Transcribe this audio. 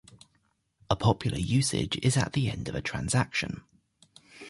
A popular usage is at the end of a transaction.